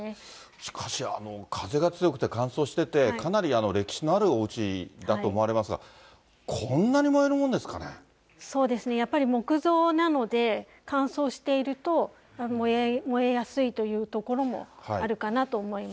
しかし、風が強くて乾燥していて、かなり歴史のあるおうちだと思われますが、そうですね、やっぱり木造なので、乾燥していると、燃えやすいというところもあるかなと思います。